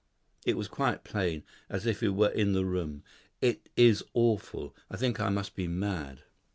It was quite plain, as if he were in the room. It is awful, I think I must be mad."